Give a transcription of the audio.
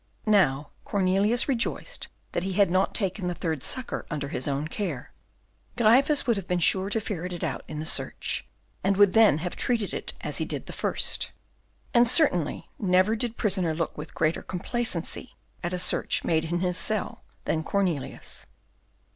Now, Cornelius rejoiced that he had not taken the third sucker under his own care. Gryphus would have been sure to ferret it out in the search, and would then have treated it as he did the first. And certainly never did prisoner look with greater complacency at a search made in his cell than Cornelius.